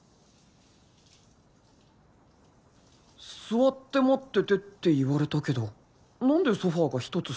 ・座って待っててって言われたけど何でソファが一つしかないんだ？